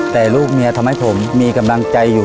แต่ลูกเมียทำให้ผมมีกำลังใจมากนะครับ